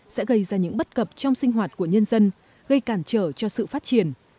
sẽ gây ra những bất cập trong sinh hoạt của nhân dân gây cản trở cho sự phát triển